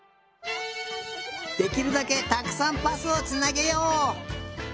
できるだけたくさんパスをつなげよう。